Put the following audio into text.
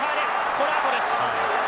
このあとです。